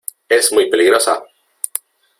¡ es muy peligrosa !